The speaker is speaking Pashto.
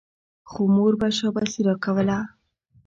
خو مور به شاباسي راکوله.